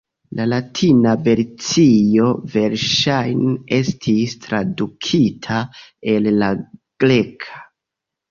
La latina versio verŝajne estis tradukita el la greka.